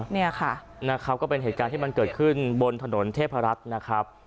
เนี่ยค่ะนะครับก็เป็นเหตุการณ์ที่มันเกิดขึ้นบนถนนเทพรัฐนะครับ